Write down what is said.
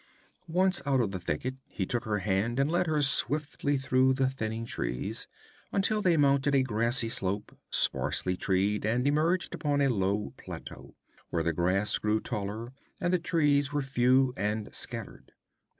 Once out of the thicket, he took her hand and led her swiftly through the thinning trees, until they mounted a grassy slope, sparsely treed, and emerged upon a low plateau, where the grass grew taller and the trees were few and scattered.